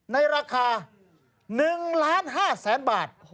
ในราคา๑๕๐๐๐๐บาท